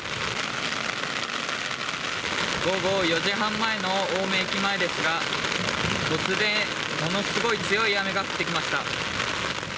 午後４時半前の青梅駅前ですが、突然、ものすごい強い雨が降ってきました。